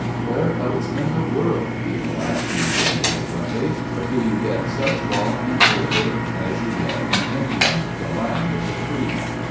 "Where else in the world," he will ask you grandiloquently, "do you get such law and such order as you get in England the land of the free?"